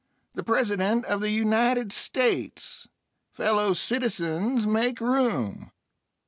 The President of the United States! Fellow citizens, make room!"